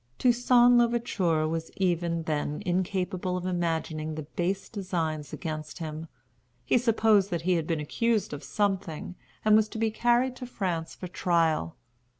Toussaint l'Ouverture was even then incapable of imagining the base designs against him. He supposed that he had been accused of something, and was to be carried to France for trial.